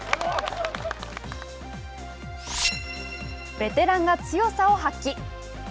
ベテランが強さを発揮。